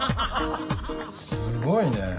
すごいね。